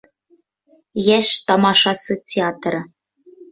Йәш тамашасы театры